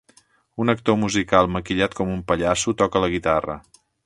Un actor musical maquillat com un pallasso toca la guitarra